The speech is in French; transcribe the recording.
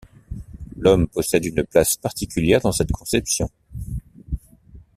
L'homme possède une place particulière dans cette conception.